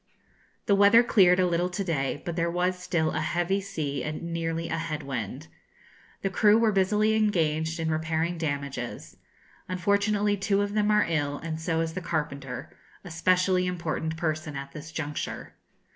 The weather cleared a little to day, but there was still a heavy sea and nearly a head wind. The crew were busily engaged in repairing damages. Unfortunately, two of them are ill, and so is the carpenter, a specially important person at this juncture.